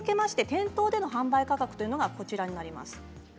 店頭での販売価格というのがこちらになります。